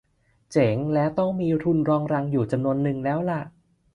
เจ๋งและต้องมีทุนรองรังอยู่จำนวนหนึ่งแล้วล่ะ